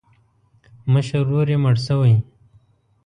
مشر ورور یې مړ شوی.